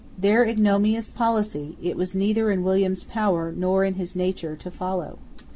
Their ignominious policy it was neither in William's power nor in his nature to follow.